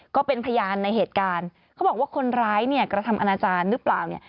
ก็เป็นพยานในเหตุการณ์เขาบอกว่าคนร้ายเนี่ยกระทำอนาจารย์หรือเปล่าเนี่ย